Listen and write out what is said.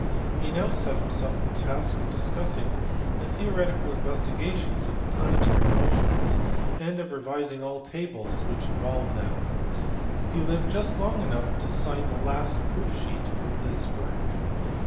He now set himself the task of discussing the theoretical investigations of the planetary motions and of revising all tables which involved them. He lived just long enough to sign the last proof sheet of this work.